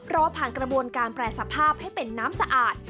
รอผ่านกระบวนการแปรสภาพให้เป็นน้ำสะอาด